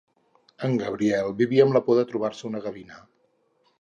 En Gabriel vivia amb la por de trobar-se una gavina.